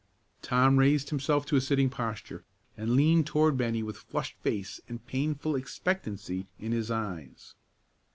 Tom raised himself to a sitting posture, and leaned toward Bennie, with flushed face and painful expectancy in his eyes.